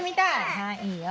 はいいいよ。